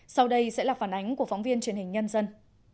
sau đây sẽ là phản ánh của phóng viên truyền hình nhân dân